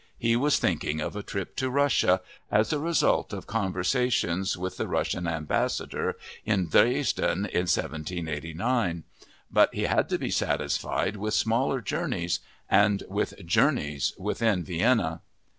He was thinking of a trip to Russia, as a result of conversations with the Russian ambassador in Dresden in 1789. But he had to be satisfied with smaller journeys, and with 'journeys' within Vienna."